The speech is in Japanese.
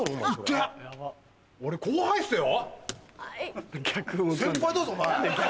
後輩っすよ！